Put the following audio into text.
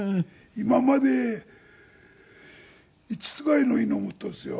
今まで５つぐらいの犬を持ったんですよ。